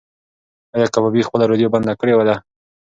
ایا کبابي خپله راډیو بنده کړې ده؟